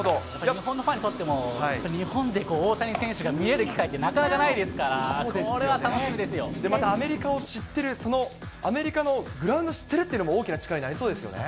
日本のファンにとっても、日本で大谷選手が見れる機会ってなかなかないですから、これは楽またアメリカを知ってる、そのアメリカのグラウンド知ってるっていうのも大きな力になりそうですね。